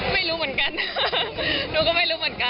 ไม่รู้เหมือนกันหนูก็ไม่รู้เหมือนกัน